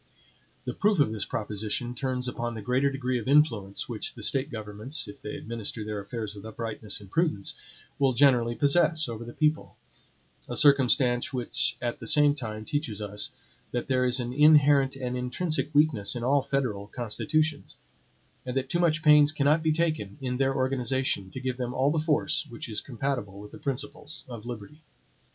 The proof of this proposition turns upon the greater degree of influence which the State governments if they administer their affairs with uprightness and prudence, will generally possess over the people; a circumstance which at the same time teaches us that there is an inherent and intrinsic weakness in all federal constitutions; and that too much pains cannot be taken in their organization, to give them all the force which is compatible with the principles of liberty.